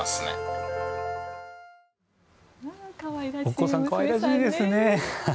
お子さん可愛らしいですね。